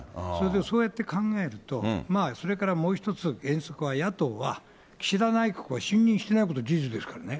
そうやって考えると、それからもう一つ、野党は岸田内閣を信任してないことは事実ですからね。